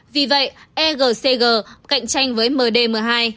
vì vậy egcg cạnh tranh với mdm hai